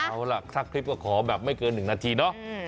เอาล่ะถ้าคลิปก็ขอแบบไม่เกิน๑นาทีเนาะ